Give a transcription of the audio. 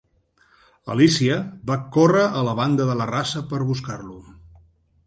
Alícia va córrer a la banda de la rasa per buscar-lo.